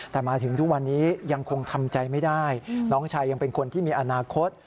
แต่มาถึงทุกวันนี้ยังคงทำใจไม่ได้น้องชายยังเป็นคนที่มีอนาคต